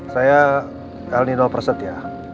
saya kak elnino perset ya